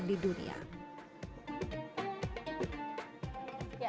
katedral terbesar di dunia